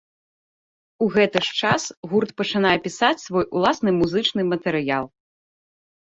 У гэты ж час гурт пачынае пісаць свой уласны музычны матэрыял.